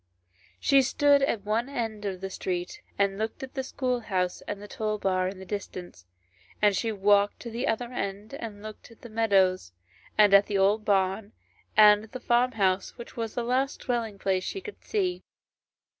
She stood at one end of the street and looked at the schoolhouse and the toll bar in the distance, and she walked to the other end and looked at the meadows, and at an old barn, and at the farm house, which was the last dwelling place she could see.